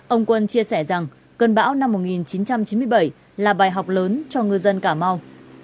ông quân chia sẻ rằng cơn bão năm một nghìn chín trăm chín mươi bảy là bài học lớn cho ngư dân cà mau